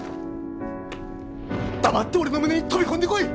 黙って俺の胸に飛び込んでこい！